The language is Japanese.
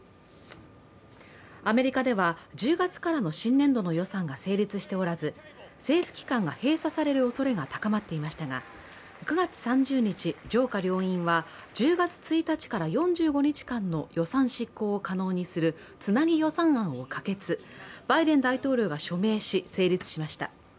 アメリカでは１０月からの新年度の予算が成立しておらず、政府機関が閉鎖されるおそれが高まっていましたが、９月３０日、上下両院は１０月１日から４５日間の予算執行を可能にするつなぎ予算案を可決、バイデン大統領が署名し、成立しました。